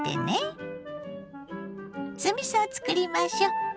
酢みそを作りましょう。